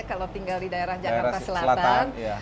kalau tinggal di daerah jakarta selatan